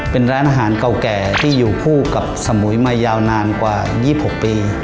เป็นร้านอาหารเก่าแก่ที่อยู่คู่กับสมุยมายาวนานกว่า๒๖ปี